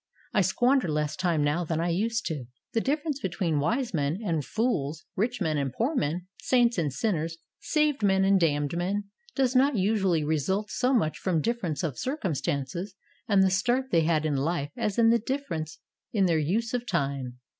I squander less time now than I used to do." The difference between wise men and REDEEMING THE TIME. 49 fools, rich men and poor men, saints and sinners, saved men and damned men, does not usually result so much from difference of circumstances, and the start they had in life as in the difference in their use of time.